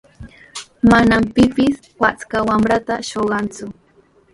Manami pipis wakcha wamrataqa shuqanku.